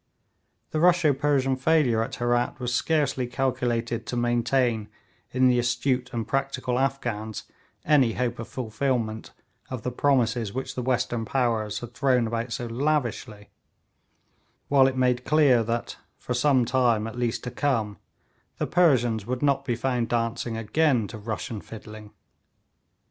The Russo Persian failure at Herat was scarcely calculated to maintain in the astute and practical Afghans any hope of fulfilment of the promises which the western powers had thrown about so lavishly, while it made clear that, for some time at least to come, the Persians would not be found dancing again to Russian fiddling.